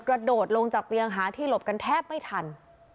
กระโดดลงจากเตียงหาที่หลบกันแทบไม่ทัน